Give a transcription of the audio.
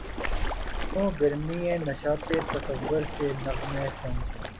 ہوں گرمیِ نشاطِ تصور سے نغمہ سنج